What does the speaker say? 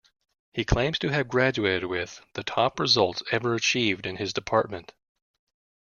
He claims to have graduated with "the top results ever achieved" in his department.